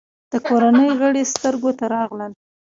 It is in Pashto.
د کورنۍ غړي سترګو ته راغلل.